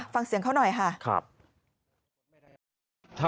ฟังเสียงเขาหน่อยค่ะ